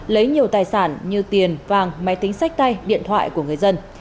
lấy nhiều tài sản như tiền vàng máy tính sách tay điện thoại của người dân